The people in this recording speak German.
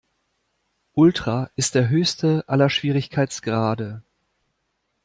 Ultra ist der höchste aller Schwierigkeitsgrade.